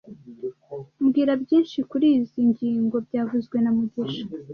Mbwira byinshi kurizoi ngingo byavuzwe na mugisha